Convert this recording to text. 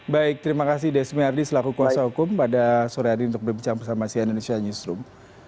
baik terima kasih desmi ardi selaku kuasa hukum pada sore hari ini untuk berbicara bersama sian indonesia newsroom